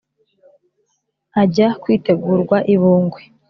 ajya kwitegurwa i bungwe.